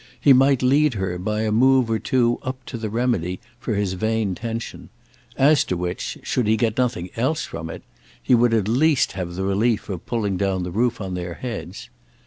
He might lead her by a move or two up to the remedy for his vain tension; as to which, should he get nothing else from it, he would at least have the relief of pulling down the roof on their heads.